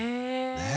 ねえ。